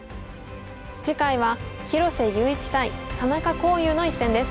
次回は広瀬優一対田中康湧の一戦です。